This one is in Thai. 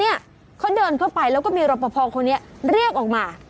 เนี่ยเขาเดินเข้าไปแล้วก็มีรอปภคนนี้เรียกออกมา